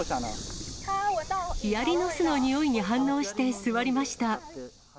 ヒアリの巣のにおいに反応して座りました。